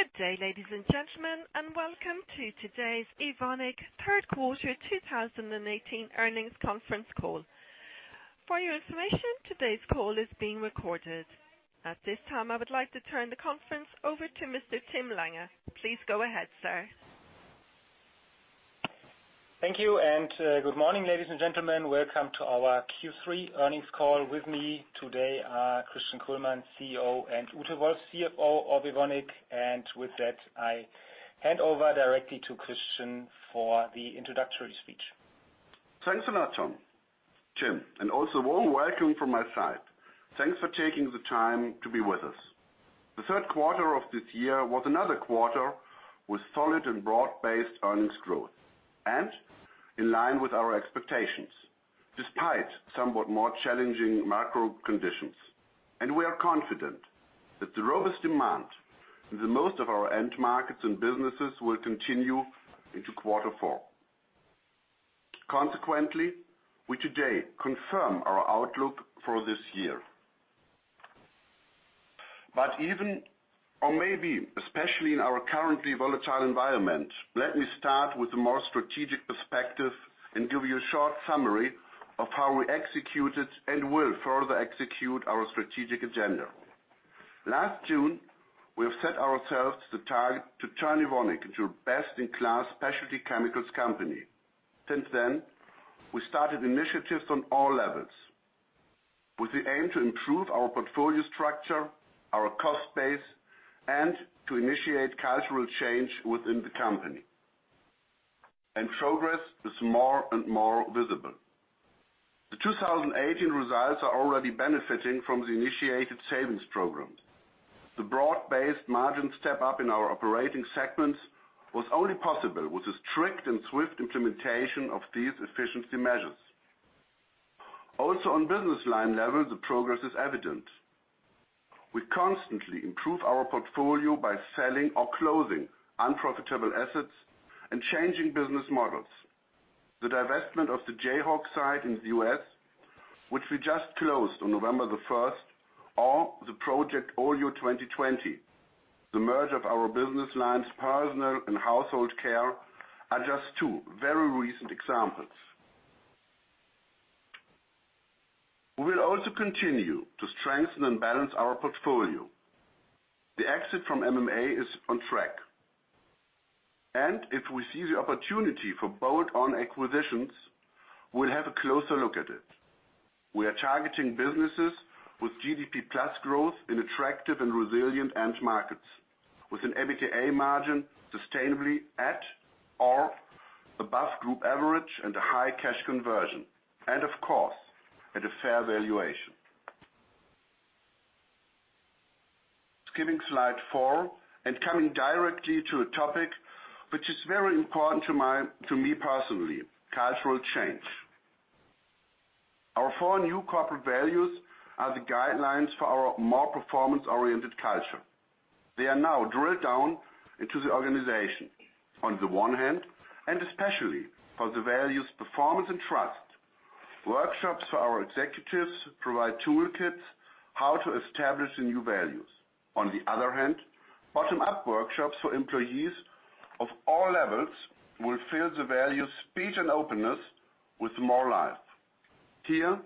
Good day, ladies and gentlemen, and welcome to today's Evonik third quarter 2018 earnings conference call. For your information, today's call is being recorded. At this time, I would like to turn the conference over to Mr. Tim Lange. Please go ahead, sir. Thank you. Good morning, ladies and gentlemen. Welcome to our Q3 earnings call. With me today are Christian Kullmann, CEO, and Ute Wolf, CFO of Evonik. With that, I hand over directly to Christian for the introductory speech. Thanks a lot, Tim. Also warm welcome from my side. Thanks for taking the time to be with us. The third quarter of this year was another quarter with solid and broad-based earnings growth and in line with our expectations, despite somewhat more challenging macro conditions. We are confident that the robust demand in the most of our end markets and businesses will continue into quarter four. Consequently, we today confirm our outlook for this year. Even, or maybe especially in our currently volatile environment, let me start with a more strategic perspective and give you a short summary of how we executed and will further execute our strategic agenda. Last June, we have set ourselves the target to turn Evonik into a best-in-class specialty chemicals company. Since then, we started initiatives on all levels with the aim to improve our portfolio structure, our cost base, and to initiate cultural change within the company. Progress is more and more visible. The 2018 results are already benefiting from the initiated savings programs. The broad-based margin step-up in our operating segments was only possible with the strict and swift implementation of these efficiency measures. Also on business line level, the progress is evident. We constantly improve our portfolio by selling or closing unprofitable assets and changing business models. The divestment of the Jayhawk site in the U.S., which we just closed on November the 1st, or the project Oleo 2020, the merge of our business lines Personal Care and Household Care, are just two very recent examples. We will also continue to strengthen and balance our portfolio. The exit from MMA is on track. If we see the opportunity for bolt-on acquisitions, we'll have a closer look at it. We are targeting businesses with GDP plus growth in attractive and resilient end markets, with an EBITDA margin sustainably at or above group average, and a high cash conversion. Of course, at a fair valuation. Skipping slide four and coming directly to a topic which is very important to me personally: cultural change. Our four new corporate values are the guidelines for our more performance-oriented culture. They are now drilled down into the organization. On the one hand, and especially for the values performance and trust, workshops for our executives provide toolkits how to establish the new values. On the other hand, bottom-up workshops for employees of all levels will fill the values speed and openness with more life. Here,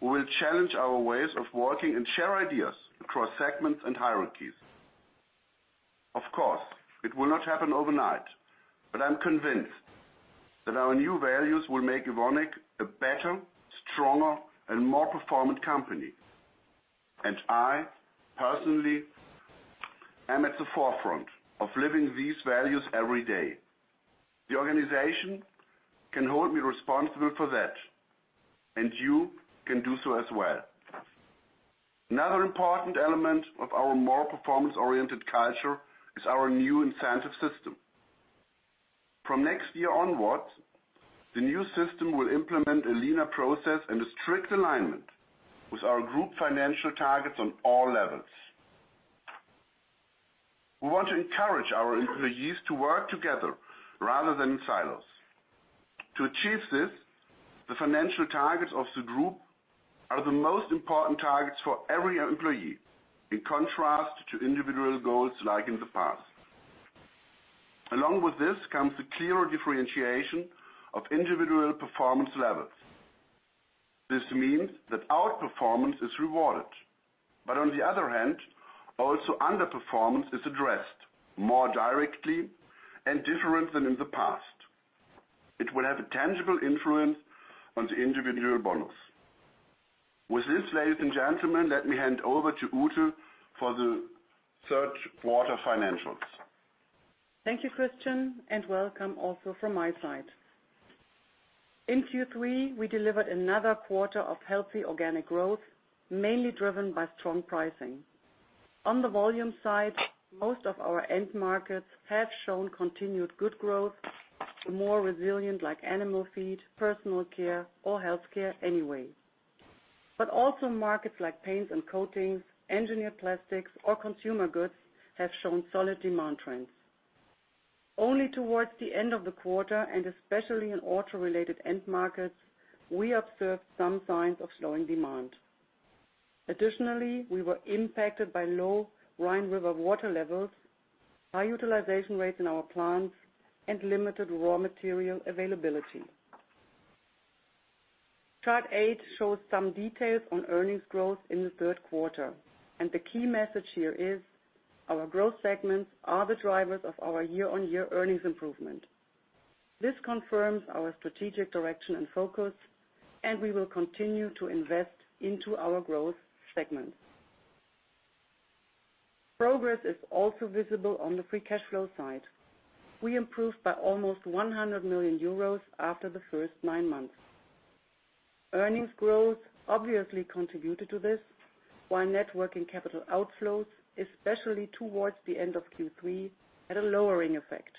we will challenge our ways of working and share ideas across segments and hierarchies. Of course, it will not happen overnight, but I'm convinced that our new values will make Evonik a better, stronger, and more performant company. I personally am at the forefront of living these values every day. The organization can hold me responsible for that, and you can do so as well. Another important element of our more performance-oriented culture is our new incentive system. From next year onwards, the new system will implement a leaner process and a strict alignment with our group financial targets on all levels. We want to encourage our employees to work together rather than in silos. To achieve this, the financial targets of the group are the most important targets for every employee, in contrast to individual goals like in the past. Along with this comes the clearer differentiation of individual performance levels. This means that outperformance is rewarded, but on the other hand, also underperformance is addressed more directly and different than in the past. It will have a tangible influence on the individual bonus. With this, ladies and gentlemen, let me hand over to Ute for the third quarter financials. Thank you, Christian, and welcome also from my side. In Q3, we delivered another quarter of healthy organic growth, mainly driven by strong pricing. On the volume side, most of our end markets have shown continued good growth, more resilient like animal feed, personal care, or healthcare anyway. Also markets like paints and coatings, engineered plastics, or consumer goods have shown solid demand trends. Only towards the end of the quarter, and especially in auto-related end markets, we observed some signs of slowing demand. Additionally, we were impacted by low Rhine River water levels, high utilization rates in our plants, and limited raw material availability. Chart eight shows some details on earnings growth in the third quarter, and the key message here is our growth segments are the drivers of our year-on-year earnings improvement. This confirms our strategic direction and focus, and we will continue to invest into our growth segments. Progress is also visible on the free cash flow side. We improved by almost 100 million euros after the first nine months. Earnings growth obviously contributed to this, while net working capital outflows, especially towards the end of Q3, had a lowering effect.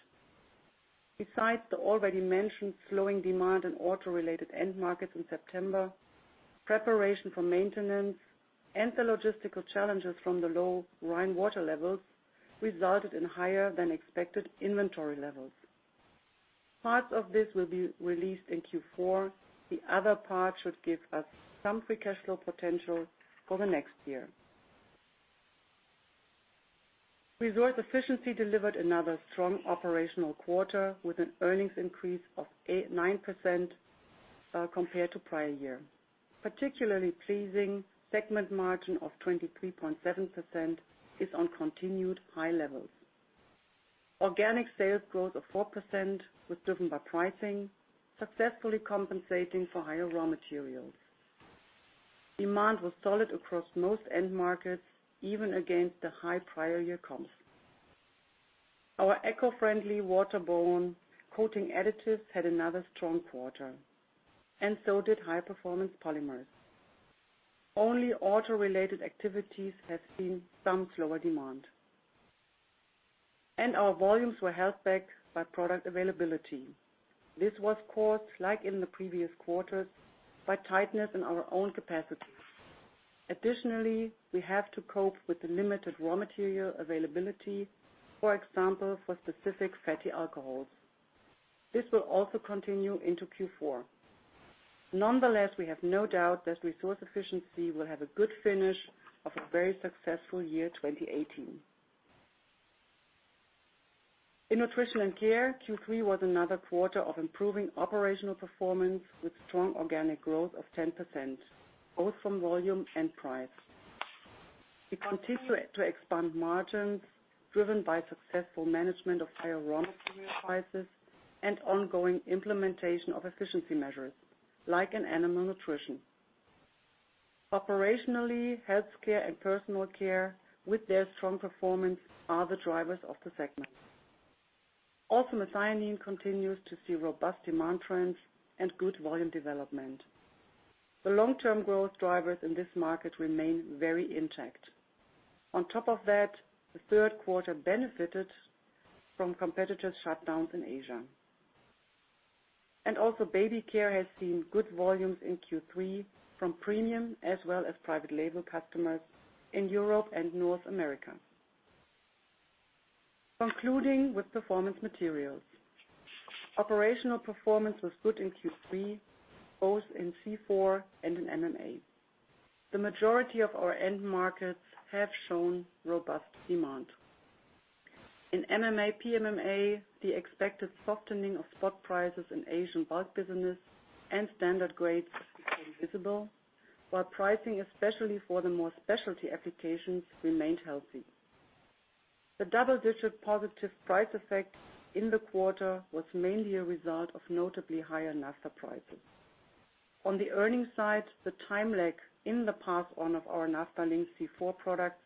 Besides the already mentioned slowing demand in auto-related end markets in September, preparation for maintenance and the logistical challenges from the low Rhine water levels resulted in higher than expected inventory levels. Parts of this will be released in Q4. The other part should give us some free cash flow potential for the next year. Resource Efficiency delivered another strong operational quarter, with an earnings increase of 9% compared to prior year. Particularly pleasing, segment margin of 23.7% is on continued high levels. Organic sales growth of 4% was driven by pricing, successfully compensating for higher raw materials. Demand was solid across most end markets, even against the high prior year comps. Our eco-friendly waterborne coating additives had another strong quarter, and so did high-performance polymers. Only auto-related activities have seen some slower demand. Our volumes were held back by product availability. This was caused, like in the previous quarters, by tightness in our own capacities. Additionally, we have to cope with the limited raw material availability, for example, for specific fatty alcohols. This will also continue into Q4. Nonetheless, we have no doubt that Resource Efficiency will have a good finish of a very successful year 2018. In Nutrition & Care, Q3 was another quarter of improving operational performance, with strong organic growth of 10%, both from volume and price. We continue to expand margins driven by successful management of higher raw material prices and ongoing implementation of efficiency measures, like in Animal Nutrition. Operationally, health care and Personal Care, with their strong performance, are the drivers of the segment. Also, methionine continues to see robust demand trends and good volume development. The long-term growth drivers in this market remain very intact. On top of that, the third quarter benefited from competitor shutdowns in Asia. Also, Baby Care has seen good volumes in Q3 from premium as well as private label customers in Europe and North America. Concluding with Performance Materials. Operational performance was good in Q3, both in C4 and in MMA. The majority of our end markets have shown robust demand. In MMA/PMMA, the expected softening of spot prices in Asian bulk business and standard grades became visible, while pricing, especially for the more specialty applications, remained healthy. The double-digit positive price effect in the quarter was mainly a result of notably higher naphtha prices. On the earnings side, the time lag in the pass-on of our naphtha-linked C4 products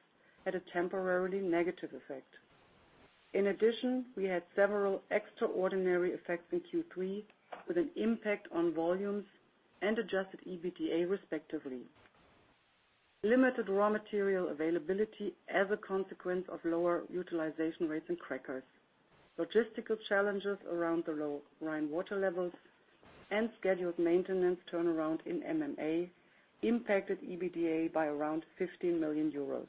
had a temporarily negative effect. In addition, we had several extraordinary effects in Q3 with an impact on volumes and adjusted EBITDA, respectively. Limited raw material availability as a consequence of lower utilization rates in crackers, logistical challenges around the low Rhine water levels, and scheduled maintenance turnaround in MMA impacted EBITDA by around 15 million euros.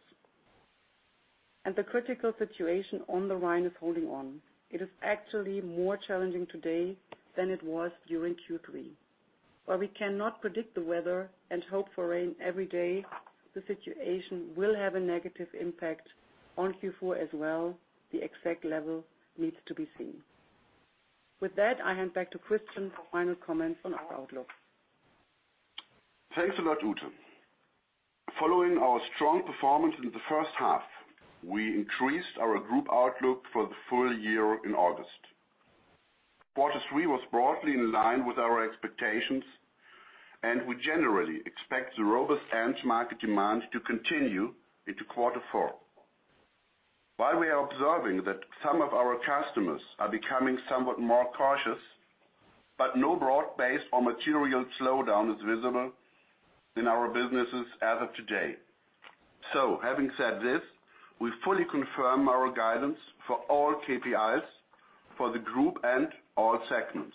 The critical situation on the Rhine is holding on. It is actually more challenging today than it was during Q3. While we cannot predict the weather and hope for rain every day, the situation will have a negative impact on Q4 as well. The exact level needs to be seen. With that, I hand back to Christian for final comments on our outlook. Thanks a lot, Ute. Following our strong performance in the first half, we increased our group outlook for the full year in August. Quarter three was broadly in line with our expectations. We generally expect the robust end market demand to continue into quarter four. While we are observing that some of our customers are becoming somewhat more cautious, but no broad-based or material slowdown is visible in our businesses as of today. Having said this, we fully confirm our guidance for all KPIs for the group and all segments.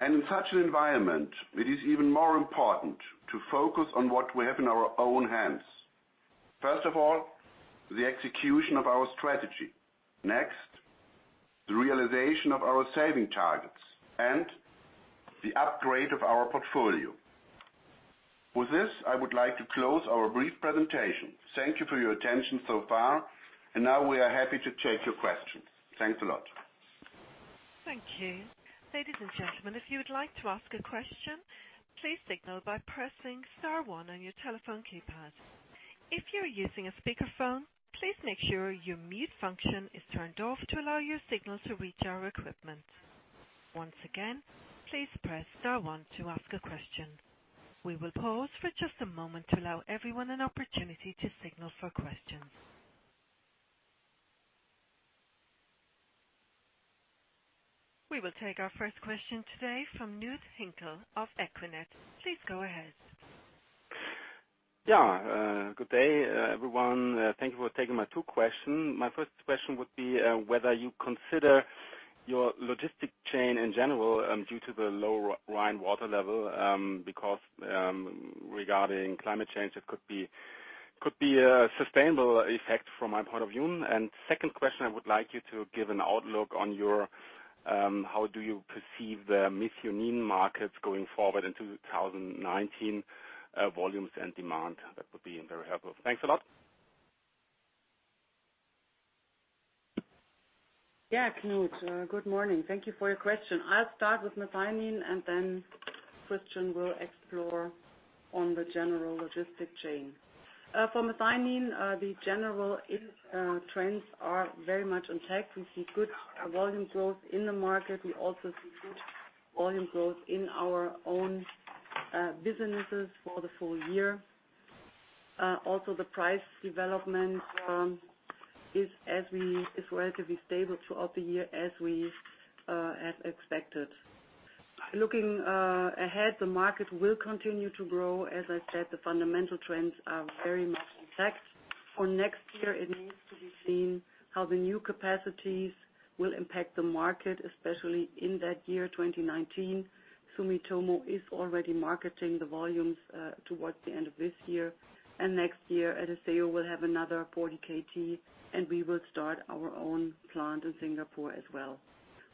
In such an environment, it is even more important to focus on what we have in our own hands. First of all, the execution of our strategy. Next, the realization of our saving targets, and the upgrade of our portfolio. With this, I would like to close our brief presentation. Thank you for your attention so far. Now we are happy to take your questions. Thanks a lot. Thank you. Ladies and gentlemen, if you would like to ask a question, please signal by pressing star one on your telephone keypad. If you're using a speakerphone, please make sure your mute function is turned off to allow your signal to reach our equipment. Once again, please press star one to ask a question. We will pause for just a moment to allow everyone an opportunity to signal for questions. We will take our first question today from Knut Hinkel of Equinet. Please go ahead. Yeah. Good day, everyone. Thank you for taking my two question. My first question would be, whether you consider your logistic chain in general, due to the low Rhine water level, because, regarding climate change, it could be a sustainable effect from my point of view. Second question, I would like you to give an outlook on how do you perceive the methionine markets going forward in 2019, volumes and demand. That would be very helpful. Thanks a lot. Yeah, Knut, good morning. Thank you for your question. I'll start with methionine. Then Christian will explore on the general logistic chain. For methionine, the general trends are very much intact. We see good volume growth in the market. We also see good volume growth in our own businesses for the full year. The price development is relatively stable throughout the year, as we have expected. Looking ahead, the market will continue to grow. As I said, the fundamental trends are very much intact. For next year, it needs to be seen how the new capacities will impact the market, especially in that year, 2019. Sumitomo is already marketing the volumes towards the end of this year. Next year, Adisseo will have another 40 KT, and we will start our own plant in Singapore as well.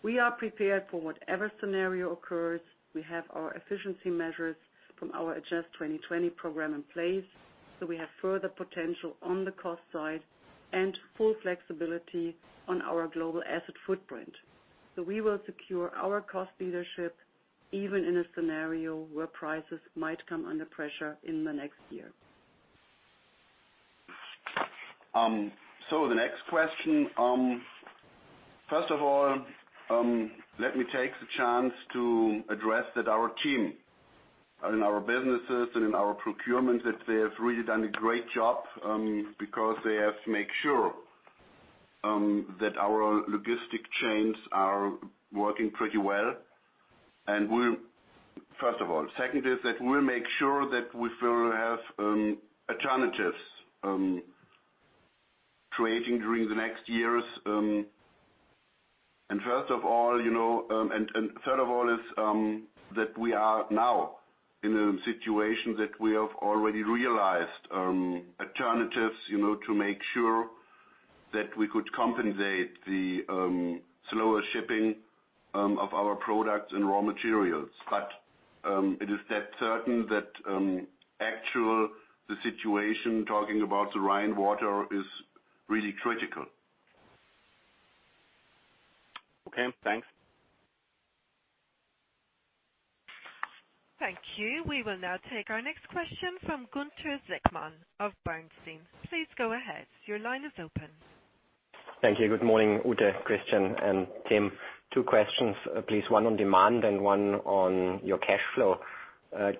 We are prepared for whatever scenario occurs. We have our efficiency measures from our Adjust 2020 program in place. We have further potential on the cost side and full flexibility on our global asset footprint. We will secure our cost leadership even in a scenario where prices might come under pressure in the next year. The next question. First of all, let me take the chance to address that our team and in our businesses and in our procurement, that they have really done a great job, because they have to make sure that our logistic chains are working pretty well. First of all. Second is that we will make sure that we will have alternatives trading during the next years. Third of all is that we are now in a situation that we have already realized alternatives to make sure that we could compensate the slower shipping of our products and raw materials. It is dead certain that the situation, talking about the Rhine water, is really critical. Okay. Thanks. Thank you. We will now take our next question from Gunther Zechmann of Bernstein. Please go ahead. Your line is open. Thank you. Good morning, Ute, Christian, and Tim. Two questions, please. One on demand and one on your cash flow.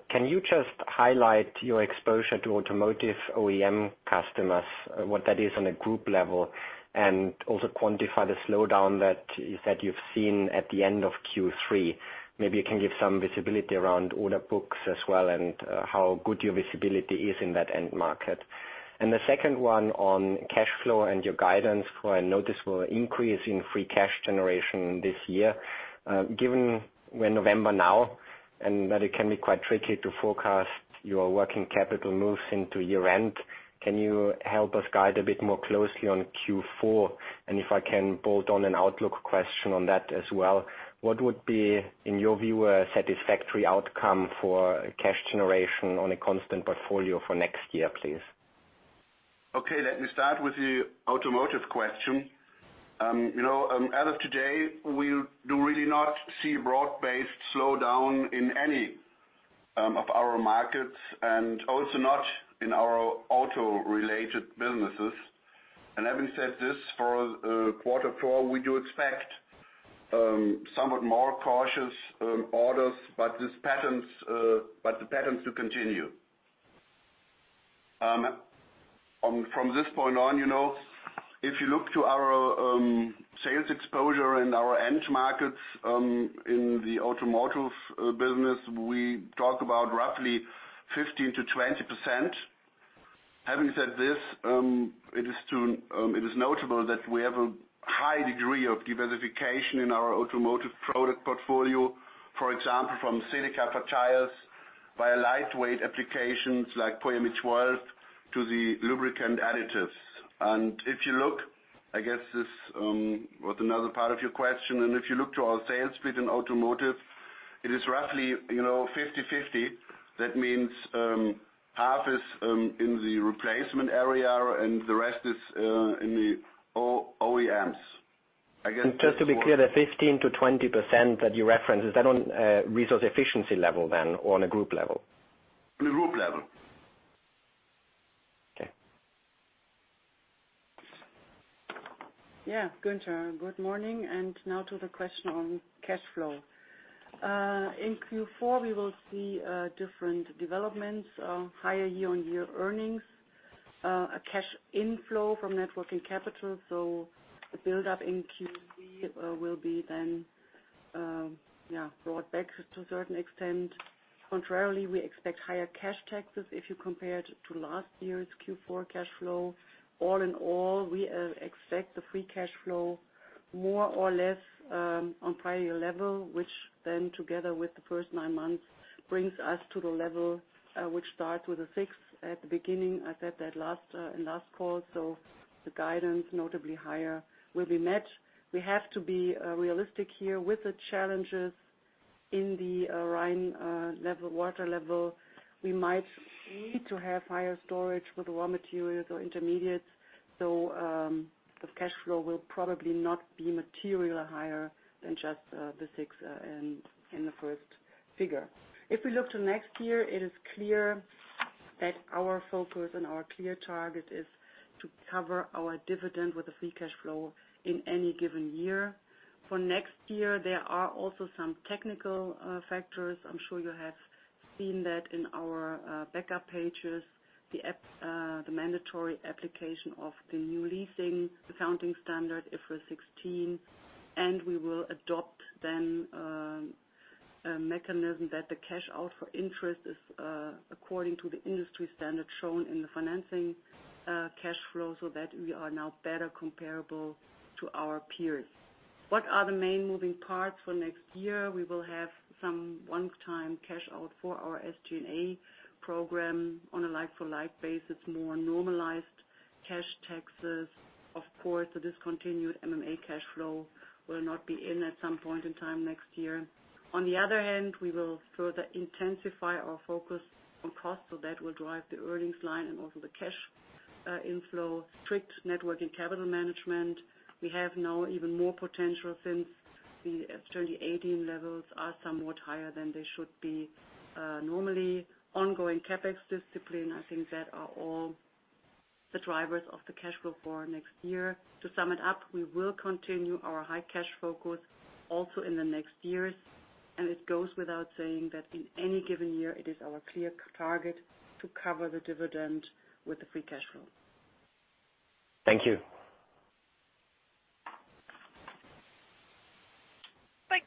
Can you just highlight your exposure to automotive OEM customers, what that is on a group level, and also quantify the slowdown that you've seen at the end of Q3? Maybe you can give some visibility around order books as well, and how good your visibility is in that end market. The second one on cash flow and your guidance for a noticeable increase in free cash generation this year. Given we're November now, and that it can be quite tricky to forecast your working capital moves into year-end, can you help us guide a bit more closely on Q4? If I can bolt on an outlook question on that as well, what would be, in your view, a satisfactory outcome for cash generation on a constant portfolio for next year, please? Okay, let me start with the automotive question. As of today, we do really not see broad-based slowdown in any of our markets, and also not in our auto-related businesses. Having said this, for quarter four, we do expect somewhat more cautious orders. The patterns do continue. From this point on, if you look to our sales exposure in our end markets, in the automotive business, we talk about roughly 15%-20%. Having said this, it is notable that we have a high degree of diversification in our automotive product portfolio. For example, from silica for tires via lightweight applications like Polyamide 12 to the lubricant additives. If you look, I guess this was another part of your question, if you look to our sales split in automotive, it is roughly 50/50. That means half is in the replacement area and the rest is in the OEMs. Just to be clear, the 15%-20% that you referenced, is that on Resource Efficiency level then, or on a group level? The group level. Okay. Gunther, good morning, now to the question on cash flow. In Q4, we will see different developments, higher year-on-year earnings, a cash inflow from net working capital. The buildup in Q3 will be then brought back to a certain extent. Contrarily, we expect higher cash taxes if you compare it to last year's Q4 cash flow. All in all, we expect the free cash flow more or less on prior year level, which then together with the first nine months brings us to the level which starts with a six at the beginning. I said that in last call, the guidance notably higher will be met. We have to be realistic here with the challenges in the Rhine water level. We might need to have higher storage for the raw materials or intermediates. The cash flow will probably not be materially higher than just the six in the first figure. If we look to next year, it is clear that our focus and our clear target is to cover our dividend with the free cash flow in any given year. For next year, there are also some technical factors. I am sure you have seen that in our backup pages. The mandatory application of the new leasing accounting standard, IFRS 16, we will adopt then a mechanism that the cash out for interest is according to the industry standard shown in the financing cash flow so that we are now better comparable to our peers. What are the main moving parts for next year? We will have some one-time cash out for our SG&A program on a like for like basis, more normalized cash taxes. Of course, the discontinued MMA cash flow will not be in at some point in time next year. On the other hand, we will further intensify our focus on cost, that will drive the earnings line and also the cash inflow. Strict net working capital management. We have now even more potential since the 2018 levels are somewhat higher than they should be normally. Ongoing CapEx discipline. I think that are all the drivers of the cash flow for next year. To sum it up, we will continue our high cash focus also in the next years, it goes without saying that in any given year, it is our clear target to cover the dividend with the free cash flow. Thank you.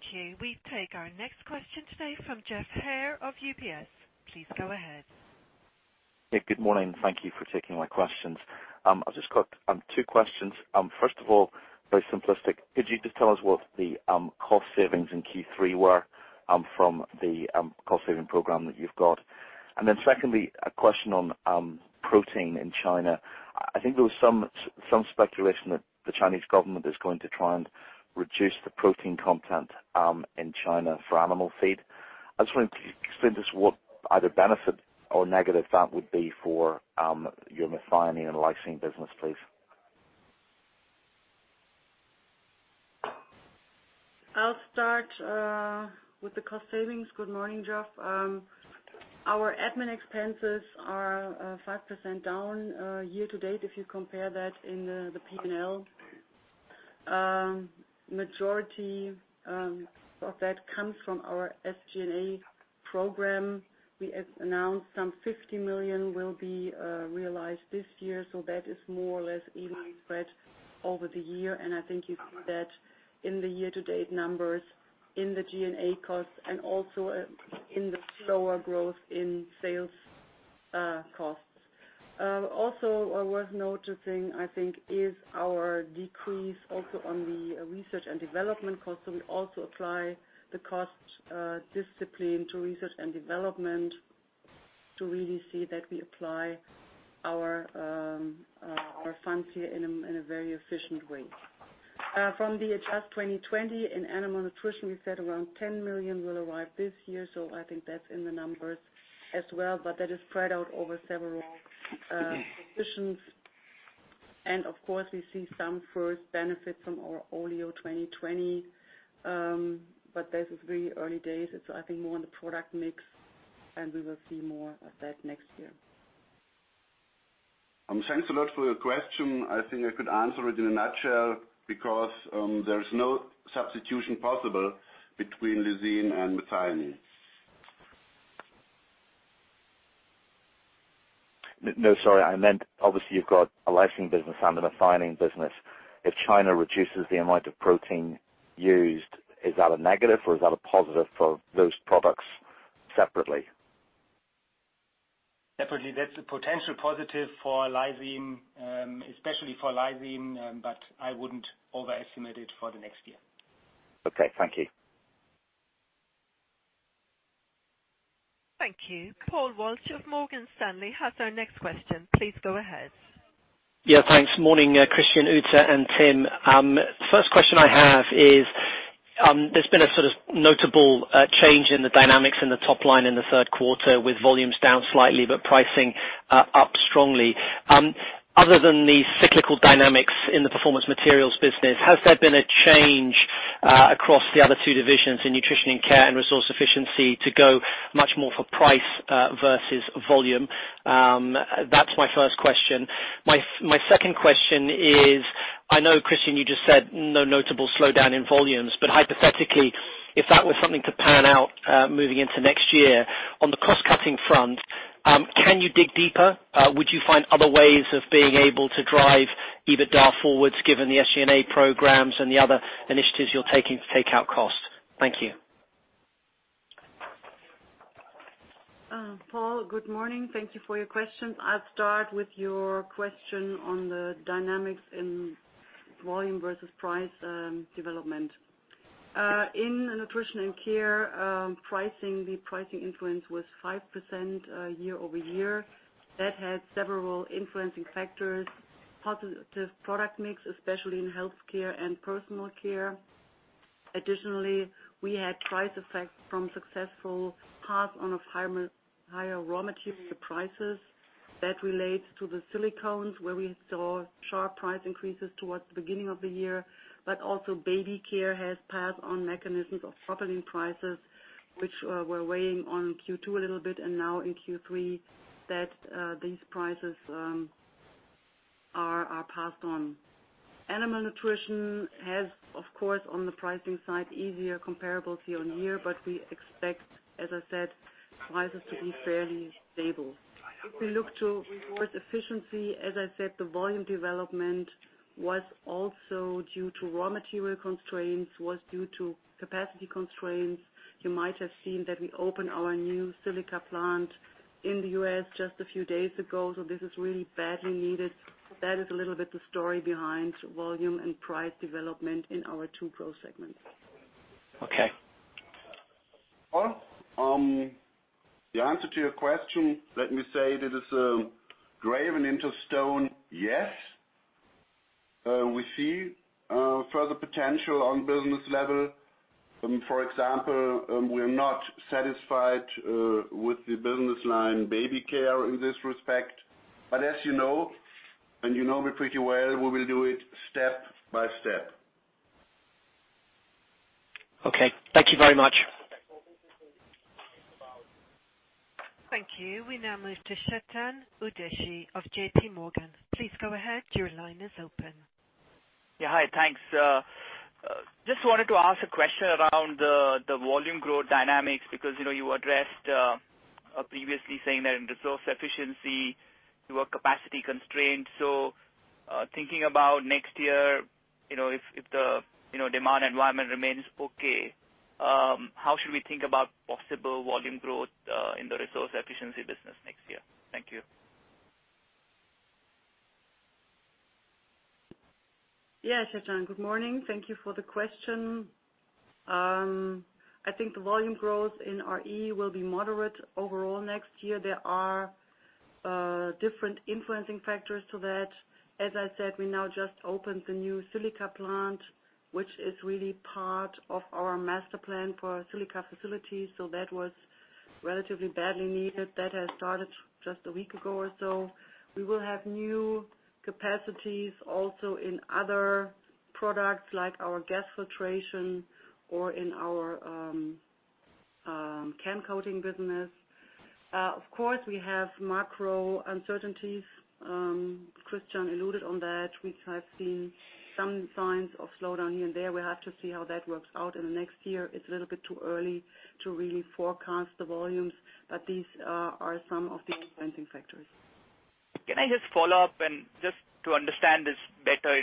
Thank you. We take our next question today from Geoff Haire of UBS. Please go ahead. Yeah, good morning. Thank you for taking my questions. I've just got two questions. First of all, very simplistic. Could you just tell us what the cost savings in Q3 were from the cost-saving program that you've got? Secondly, a question on protein in China. I think there was some speculation that the Chinese government is going to try and reduce the protein content in China for animal feed. I just wonder, could you explain to us what either benefit or negative that would be for your methionine and lysine business, please? I'll start with the cost savings. Good morning, Geoff. Our admin expenses are 5% down year to date if you compare that in the P&L. Majority of that comes from our SG&A program. We announced some 50 million will be realized this year. That is more or less evenly spread over the year, and I think you see that in the year to date numbers in the G&A costs and also in the slower growth in sales costs. Also worth noticing, I think, is our decrease also on the research and development cost. We also apply the cost discipline to research and development to really see that we apply our funds here in a very efficient way. From the Adjust 2020 in Animal Nutrition, we said around 10 million will arrive this year. I think that's in the numbers as well, but that is spread out over several positions. Of course, we see some first benefit from our Oleo 2020. This is very early days. It's I think more on the product mix, and we will see more of that next year. Thanks a lot for your question. I think I could answer it in a nutshell because there is no substitution possible between lysine and methionine. No, sorry. I meant obviously you've got a lysine business and a methionine business. If China reduces the amount of protein used, is that a negative or is that a positive for those products separately? Separately, that's a potential positive for lysine, especially for lysine, but I wouldn't overestimate it for the next year. Okay. Thank you. Thank you. Paul Walsh of Morgan Stanley has our next question. Please go ahead. Yeah, thanks. Morning, Christian, Ute, and Tim. First question I have is, there's been a sort of notable change in the dynamics in the top line in the third quarter, with volumes down slightly but pricing up strongly. Other than the cyclical dynamics in the Performance Materials business, has there been a change across the other two divisions in Nutrition & Care and Resource Efficiency to go much more for price versus volume? That's my first question. My second question is, I know, Christian, you just said no notable slowdown in volumes, but hypothetically, if that were something to pan out moving into next year, on the cost-cutting front, can you dig deeper? Would you find other ways of being able to drive EBITDA forwards, given the SG&A programs and the other initiatives you're taking to take out costs? Thank you. Paul, good morning. Thank you for your question. I'll start with your question on the dynamics in volume versus price development. In Nutrition & Care, the pricing influence was 5% year-over-year. That had several influencing factors, positive product mix, especially in healthcare and Personal Care. Additionally, we had price effects from successful pass on of higher raw material prices. That relates to the silicones, where we saw sharp price increases towards the beginning of the year, but also Baby Care has pass-on mechanisms of propylene prices, which were weighing on Q2 a little bit, and now in Q3, these prices are passed on. Animal Nutrition has, of course, on the pricing side, easier comparables year-on-year, but we expect, as I said, prices to be fairly stable. If we look to Resource Efficiency, as I said, the volume development was also due to raw material constraints, was due to capacity constraints. You might have seen that we opened our new silica plant in the U.S. just a few days ago. This is really badly needed. That is a little bit the story behind volume and price development in our two growth segments. Okay. Paul, the answer to your question, let me say, that is graven into stone, yes. We see further potential on business level. For example, we're not satisfied with the business line Baby Care in this respect. As you know, and you know me pretty well, we will do it step by step. Okay. Thank you very much. Thank you. We now move to Chetan Udeshi of J.P. Morgan. Please go ahead. Your line is open. Yeah. Hi. Thanks. Just wanted to ask a question around the volume growth dynamics, you addressed previously saying that in Resource Efficiency, you were capacity constrained. Thinking about next year, if the demand environment remains okay, how should we think about possible volume growth in the Resource Efficiency business next year? Thank you. Chetan, good morning. Thank you for the question. I think the volume growth in RE will be moderate overall next year. There are different influencing factors to that. As I said, we now just opened the new silica plant, which is really part of our master plan for our silica facilities, so that was relatively badly needed. That has started just a week ago or so. We will have new capacities also in other products, like our gas separation or in our chem coatings business. Of course, we have macro uncertainties. Christian alluded on that. We have seen some signs of slowdown here and there. We have to see how that works out in the next year. It's a little bit too early to really forecast the volumes, but these are some of the influencing factors. Can I just follow up and just to understand this better,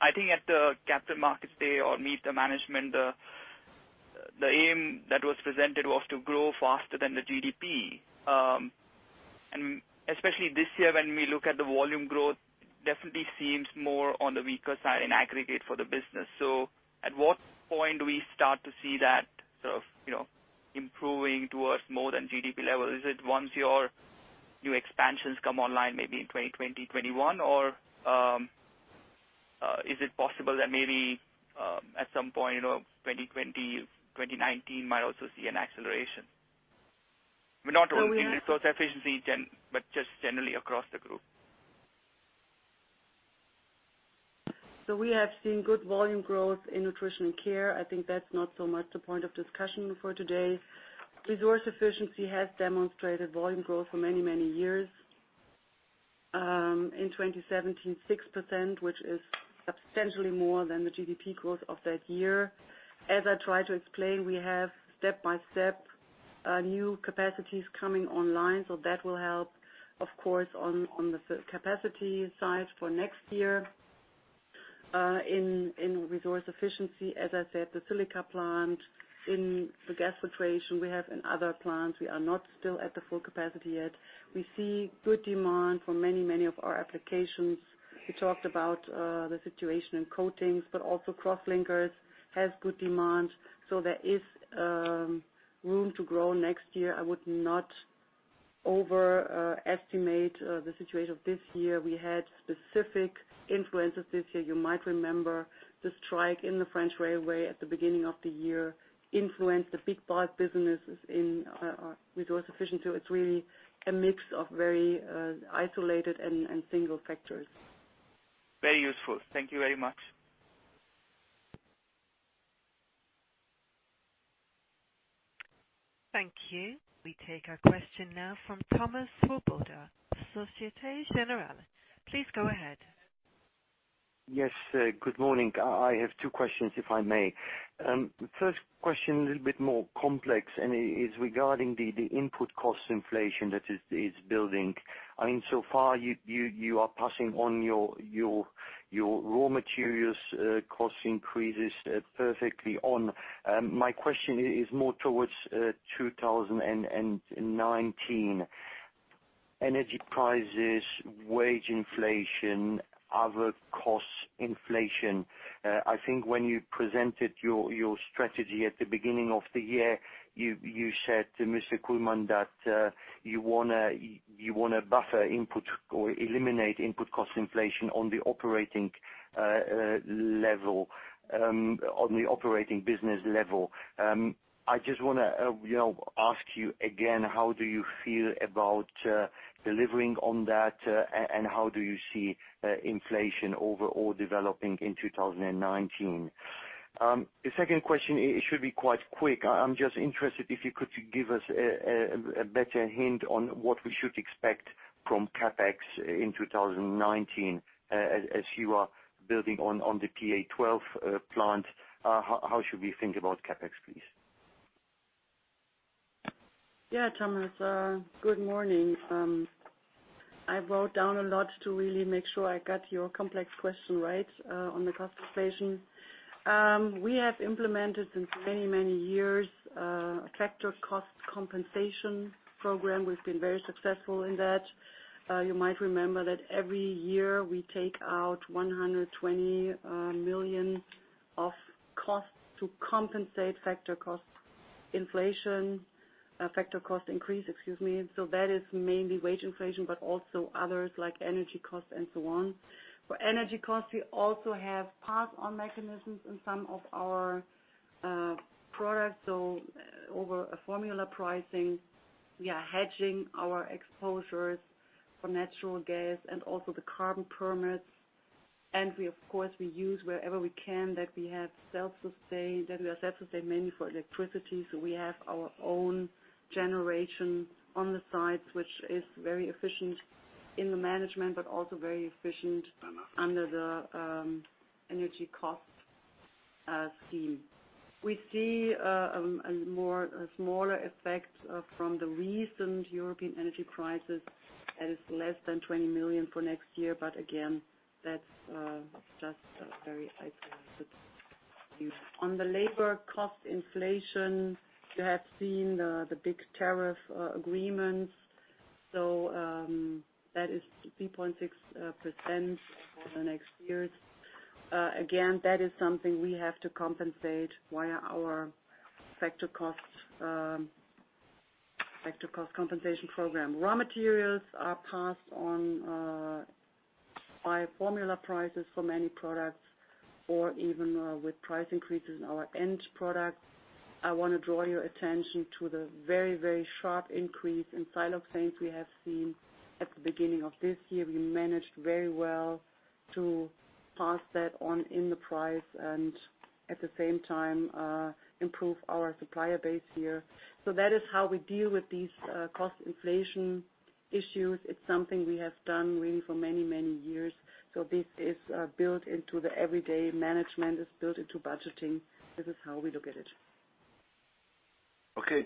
I think at the Capital Markets Day or Meet the Management, the aim that was presented was to grow faster than the GDP. Especially this year, when we look at the volume growth, definitely seems more on the weaker side in aggregate for the business. At what point do we start to see that sort of improving towards more than GDP level? Is it once your new expansions come online, maybe in 2020, 2021? Or is it possible that maybe at some point in 2020, 2019 might also see an acceleration? Not only in Resource Efficiency, but just generally across the group. We have seen good volume growth in Nutrition & Care. I think that's not so much the point of discussion for today. Resource Efficiency has demonstrated volume growth for many, many years. In 2017, 6%, which is substantially more than the GDP growth of that year. As I try to explain, we have step by step new capacities coming online, so that will help, of course, on the capacity side for next year. In Resource Efficiency, as I said, the silica plant in the gas separation we have in other plants, we are not still at the full capacity yet. We see good demand for many of our applications. We talked about the situation in coatings, but also crosslinkers has good demand. There is room to grow next year. I would not overestimate the situation this year. We had specific influences this year. You might remember the strike in the French railway at the beginning of the year influenced the big bath businesses in our Resource Efficiency. It's really a mix of very isolated and single factors. Very useful. Thank you very much. Thank you. We take a question now from Thomas Swoboda, Société Générale. Please go ahead. Yes. Good morning. I have two questions, if I may. First question, a little bit more complex, and is regarding the input cost inflation that is building. So far, you are passing on your raw materials cost increases perfectly on. My question is more towards 2019. Energy prices, wage inflation, other costs inflation. I think when you presented your strategy at the beginning of the year, you said, Mr. Kullmann, that you want to buffer input or eliminate input cost inflation on the operating business level. I just want to ask you again, how do you feel about delivering on that, and how do you see inflation overall developing in 2019? The second question should be quite quick. I am just interested if you could give us a better hint on what we should expect from CapEx in 2019, as you are building on the PA 12 plant. How should we think about CapEx, please? Thomas. Good morning. I wrote down a lot to really make sure I got your complex question right on the cost inflation. We have implemented since many years a factor cost compensation program. We have been very successful in that. You might remember that every year we take out 120 million of costs to compensate factor cost inflation, factor cost increase, excuse me. That is mainly wage inflation, but also others like energy costs and so on. For energy costs, we also have pass-on mechanisms in some of our products. Over a formula pricing, we are hedging our exposures for natural gas and also the carbon permits. We, of course, we use wherever we can that we are self-sustained mainly for electricity. We have our own generation on the sides, which is very efficient in the management, but also very efficient under the energy cost scheme. We see a smaller effect from the recent European energy crisis. That is less than 20 million for next year. Again, that is just very isolated. On the labor cost inflation, you have seen the big tariff agreements. That is 3.6% for the next years. Again, that is something we have to compensate via our factor cost compensation program. Raw materials are passed on via formula prices for many products or even with price increases in our end product. I want to draw your attention to the very sharp increase in siloxanes we have seen at the beginning of this year. We managed very well to pass that on in the price and at the same time improve our supplier base here. That is how we deal with these cost inflation issues. It is something we have done really for many years. This is built into the everyday management, is built into budgeting. This is how we look at it.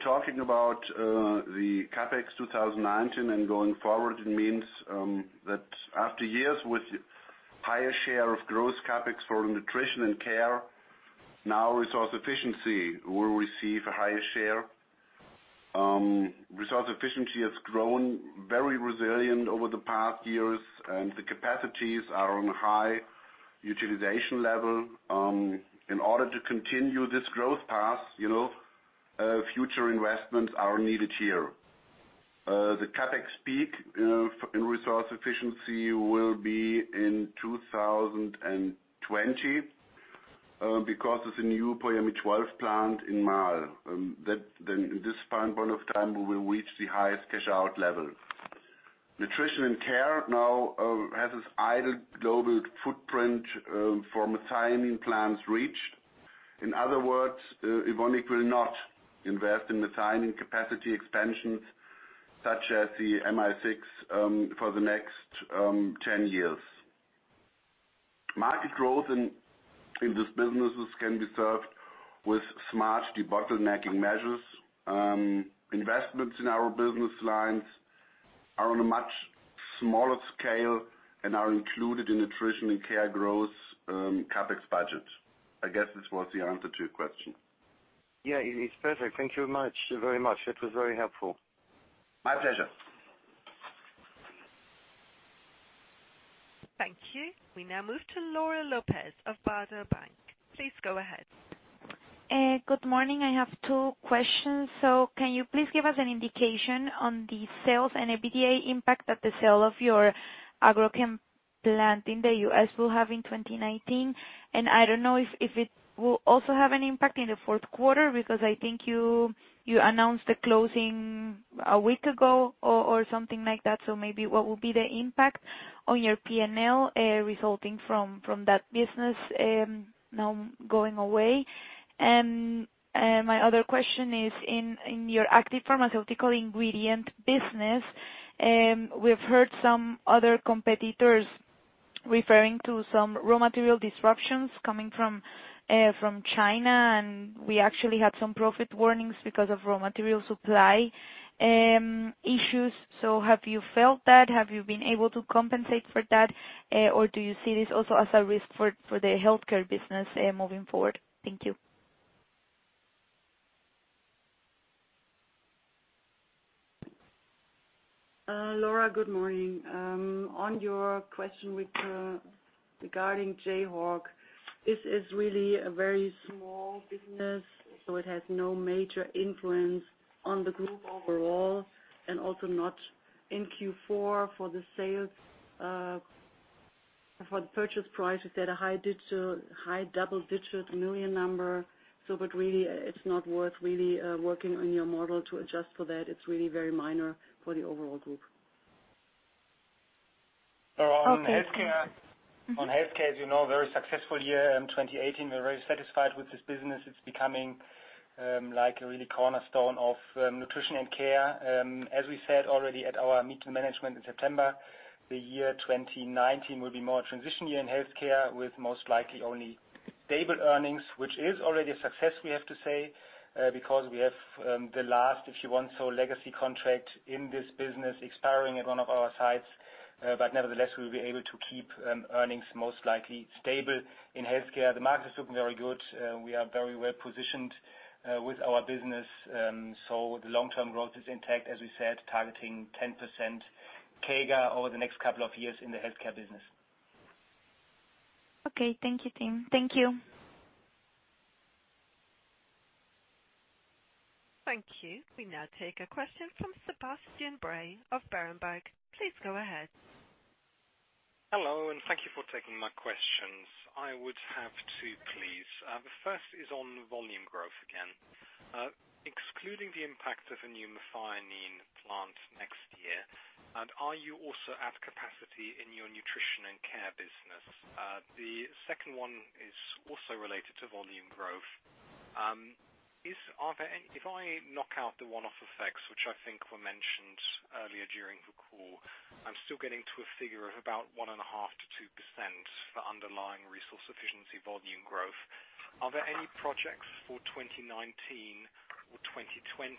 Talking about the CapEx 2019 and going forward, it means that after years with higher share of growth CapEx for Nutrition & Care, now Resource Efficiency will receive a higher share. Resource Efficiency has grown very resilient over the past years, and the capacities are on high utilization level. In order to continue this growth path, future investments are needed here. The CapEx peak in Resource Efficiency will be in 2020. Because of the new PA 12 plant in Marl. In this point of time, we will reach the highest cash-out level. Nutrition & Care now has its ideal global footprint for methionine plants reached. In other words, Evonik will not invest in methionine capacity expansions such as the Met 6 for the next 10 years. Market growth in these businesses can be served with smart debottlenecking measures. Investments in our business lines are on a much smaller scale and are included in Nutrition & Care growth's CapEx budget. I guess this was the answer to your question. Yeah, it's perfect. Thank you very much. That was very helpful. My pleasure. Thank you. We now move to Laura Lopez of Baader Bank. Please go ahead. Good morning. I have two questions. Can you please give us an indication on the sales and EBITDA impact that the sale of your agrochemicals plant in the U.S. will have in 2019? I don't know if it will also have an impact in the fourth quarter because I think you announced the closing a week ago or something like that. Maybe what will be the impact on your P&L resulting from that business now going away? My other question is in your active pharmaceutical ingredient business, we've heard some other competitors referring to some raw material disruptions coming from China, and we actually had some profit warnings because of raw material supply issues. Have you felt that? Have you been able to compensate for that? Or do you see this also as a risk for the healthcare business moving forward? Thank you. Laura, good morning. On your question regarding Jayhawk, this is really a very small business, it has no major influence on the group overall and also not in Q4 for the sales. For the purchase price, it's at a high double-digit million number. Really, it's not worth really working on your model to adjust for that. It's really very minor for the overall group. Okay. On healthcare, as you know, very successful year in 2018. We're very satisfied with this business. It's becoming like a really cornerstone of Nutrition & Care. As we said already at our Meet the Management in September, the year 2019 will be more a transition year in healthcare, with most likely only stable earnings, which is already a success, we have to say, because we have the last, if you want, legacy contract in this business expiring at one of our sites. Nevertheless, we'll be able to keep earnings most likely stable in healthcare. The market is looking very good. We are very well-positioned with our business. The long-term growth is intact, as we said, targeting 10% CAGR over the next couple of years in the healthcare business. Okay. Thank you, Tim. Thank you. Thank you. We now take a question from Sebastian Bray of Berenberg. Please go ahead. Hello. Thank you for taking my questions. I would have two, please. The first is on volume growth again. Excluding the impact of a new methionine plant next year, are you also at capacity in your Nutrition & Care business? The second one is also related to volume growth. If I knock out the one-off effects, which I think were mentioned earlier during the call, I'm still getting to a figure of about 1.5%-2% for underlying Resource Efficiency volume growth. Are there any projects for 2019 or 2020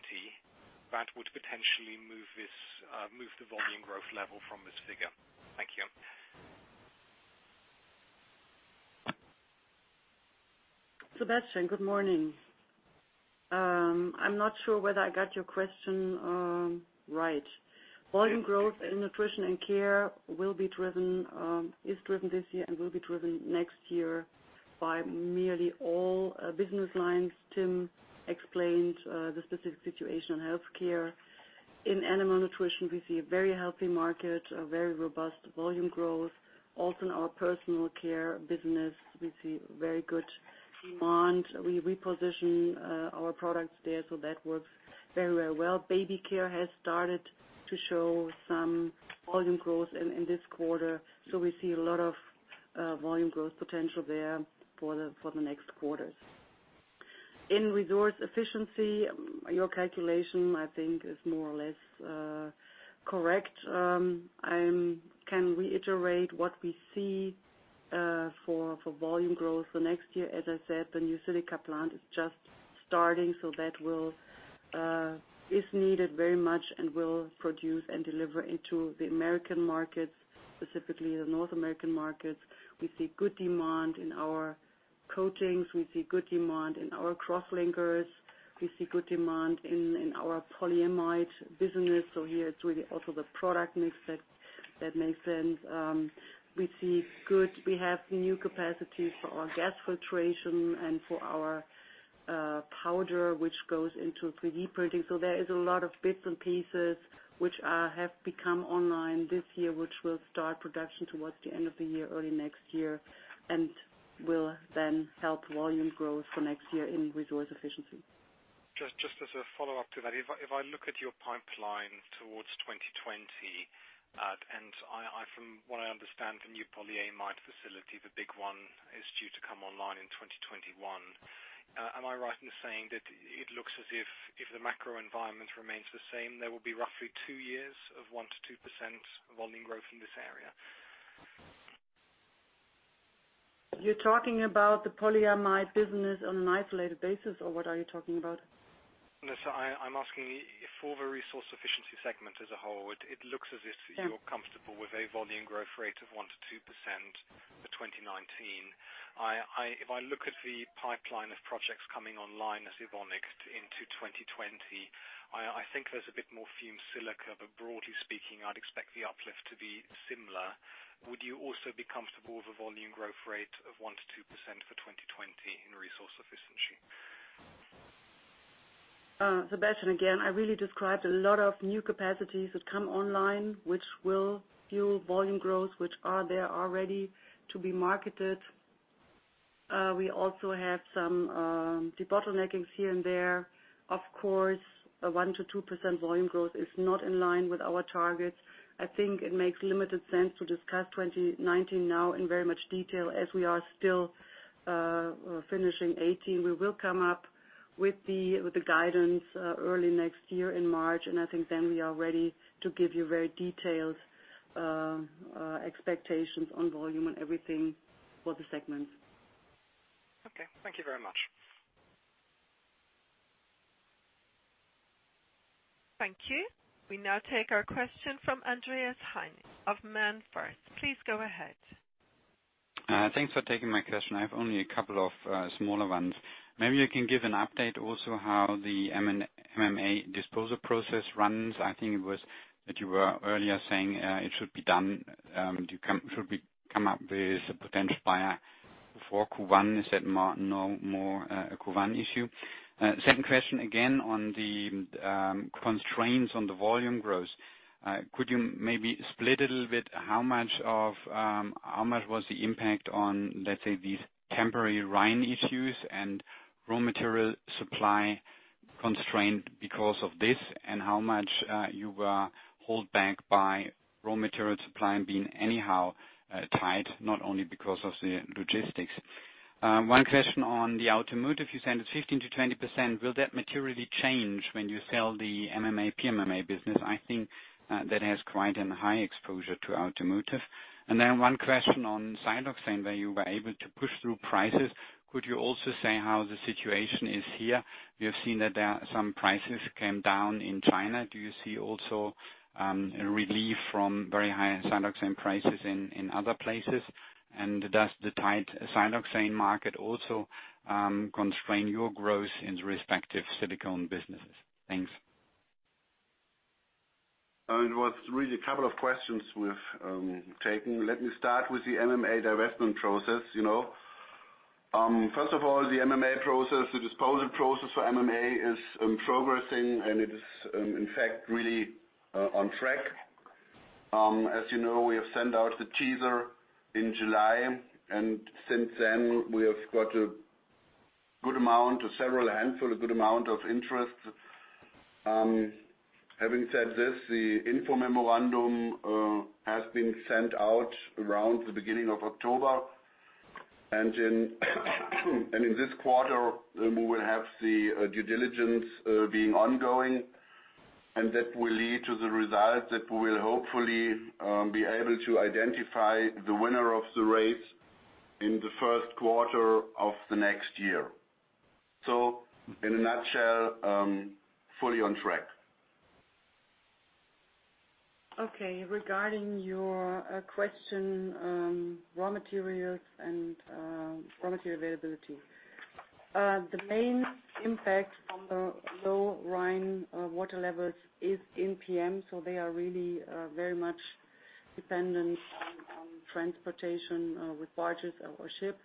that would potentially move the volume growth level from this figure? Thank you. Sebastian, good morning. I'm not sure whether I got your question right. Volume growth in Nutrition & Care is driven this year and will be driven next year by merely all business lines. Tim explained the specific situation in healthcare. In Animal Nutrition, we see a very healthy market, a very robust volume growth. Also, in our Personal Care business, we see very good demand. We reposition our products there, that works very well. Baby Care has started to show some volume growth in this quarter. We see a lot of volume growth potential there for the next quarters. In Resource Efficiency, your calculation, I think, is more or less correct. I can reiterate what we see for volume growth for next year. As I said, the new silica plant is just starting, that is needed very much and will produce and deliver into the American markets, specifically the North American markets. We see good demand in our coatings. We see good demand in our crosslinkers. We see good demand in our polyamide business. Here it's really also the product mix that makes sense. We have new capacity for our gas separation and for our powder, which goes into 3D printing. There is a lot of bits and pieces which have become online this year, which will start production towards the end of the year, early next year, and will then help volume growth for next year in Resource Efficiency. Just as a follow-up to that, if I look at your pipeline towards 2020, from what I understand, the new polyamide facility, the big one, is due to come online in 2021. Am I right in saying that it looks as if the macro environment remains the same, there will be roughly two years of 1%-2% volume growth in this area? You're talking about the polyamide business on an isolated basis, or what are you talking about? No, I'm asking you for the Resource Efficiency segment as a whole, it looks as if you're comfortable with a volume growth rate of 1%-2% for 2019. If I look at the pipeline of projects coming online as Evonik into 2020, I think there's a bit more fused silica, broadly speaking, I'd expect the uplift to be similar. Would you also be comfortable with a volume growth rate of 1%-2% for 2020 in Resource Efficiency? Sebastian, again, I really described a lot of new capacities that come online, which will fuel volume growth, which are there already to be marketed. We also have some debottleneckings here and there. Of course, a 1%-2% volume growth is not in line with our targets. I think it makes limited sense to discuss 2019 now in very much detail as we are still finishing 2018. We will come up with the guidance early next year in March, I think then we are ready to give you very detailed expectations on volume and everything for the segments. Okay. Thank you very much. Thank you. We now take our question from Andreas Heine of MainFirst. Please go ahead. Thanks for taking my question. I have only a couple of smaller ones. Maybe you can give an update also how the MMA disposal process runs. I think that you were earlier saying, it should be done, you should come up with a potential buyer before Q1. Is that no more a Q1 issue? Second question, again, on the constraints on the volume growth. Could you maybe split a little bit, how much was the impact on, let's say, these temporary Rhine issues and raw material supply constraint because of this, and how much you were hold back by raw material supply and being anyhow tied, not only because of the logistics? One question on the automotive. You said it's 15%-20%. Will that materially change when you sell the MMA, PMMA business? I think that has quite a high exposure to automotive. One question on siloxane, where you were able to push through prices. Could you also say how the situation is here? We have seen that some prices came down in China. Do you see also a relief from very high siloxane prices in other places? Does the tight siloxane market also constrain your growth in the respective silicone businesses? Thanks. It was really a couple of questions we've taken. Let me start with the MMA divestment process. First of all, the MMA process, the disposal process for MMA is progressing, and it is in fact really on track. As you know, we have sent out the teaser in July, and since then we have got a good amount, or several handful, a good amount of interest. Having said this, the info memorandum has been sent out around the beginning of October. In this quarter, we will have the due diligence being ongoing, and that will lead to the result that we will hopefully be able to identify the winner of the race in the first quarter of the next year. In a nutshell, fully on track. Okay. Regarding your question on raw materials and raw material availability. The main impact on the low Rhine water levels is in PM, so they are really very much dependent on transportation with barges or ship.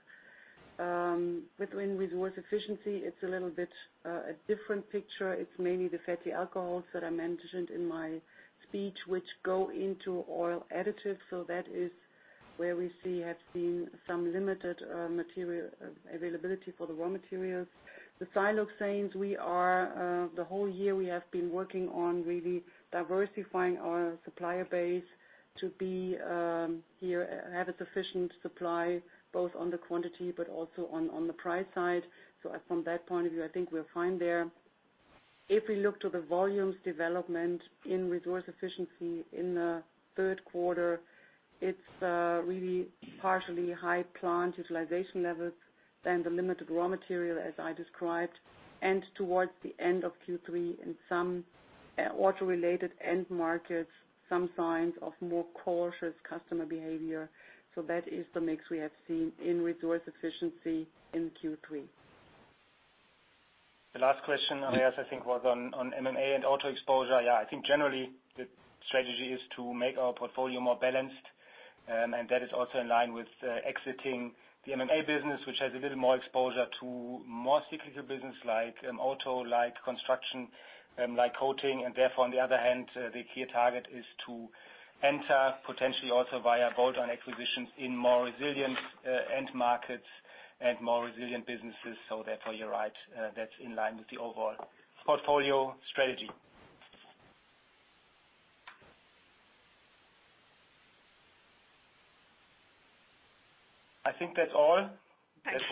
In Resource Efficiency, it's a little bit a different picture. It's mainly the fatty alcohols that I mentioned in my speech, which go into oil additives. That is where we have seen some limited material availability for the raw materials. The siloxanes, the whole year we have been working on really diversifying our supplier base to have a sufficient supply, both on the quantity but also on the price side. From that point of view, I think we're fine there. If we look to the volumes development in Resource Efficiency in the third quarter, it's really partially high plant utilization levels and the limited raw material as I described, and towards the end of Q3 in some auto-related end markets, some signs of more cautious customer behavior. That is the mix we have seen in Resource Efficiency in Q3. The last question, Andreas, I think, was on MMA and auto exposure. I think generally the strategy is to make our portfolio more balanced. That is also in line with exiting the MMA business, which has a little more exposure to more cyclical business like auto, like construction, like coating. Therefore, on the other hand, the key target is to enter potentially also via bolt-on acquisitions in more resilient end markets and more resilient businesses. Therefore, you're right. That's in line with the overall portfolio strategy. I think that's all.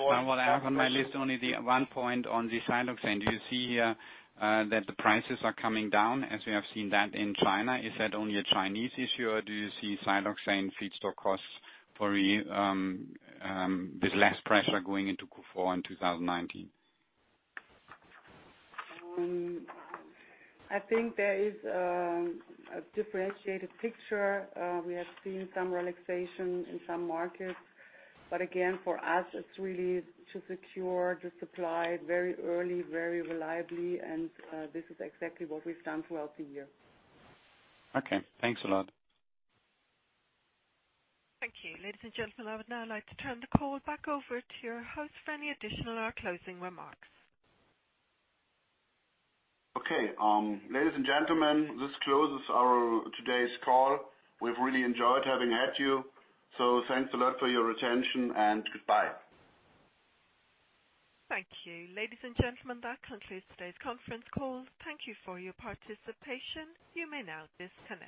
What I have on my list, only the one point on the siloxane. Do you see here that the prices are coming down as we have seen that in China? Is that only a Chinese issue, or do you see siloxane feedstock costs for you with less pressure going into Q4 in 2019? I think there is a differentiated picture. We have seen some relaxation in some markets. Again, for us, it's really to secure the supply very early, very reliably, and this is exactly what we've done throughout the year. Okay. Thanks a lot. Thank you. Ladies and gentlemen, I would now like to turn the call back over to your host for any additional or closing remarks. Okay. Ladies and gentlemen, this closes today's call. We've really enjoyed having had you. Thanks a lot for your attention, and goodbye. Thank you. Ladies and gentlemen, that concludes today's conference call. Thank you for your participation. You may now disconnect.